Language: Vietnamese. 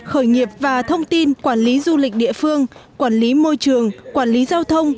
khởi nghiệp và thông tin quản lý du lịch địa phương quản lý môi trường quản lý giao thông